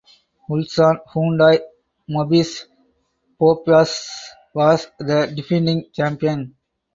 Ulsan Hyundai Mobis Phoebus was the defending champion.